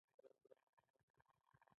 وزې تل هڅه کوي چې شنه واښه پیدا کړي